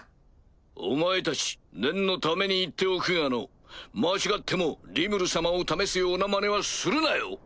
お前たち念のために言っておくがの間違ってもリムル様を試すようなまねはするなよ？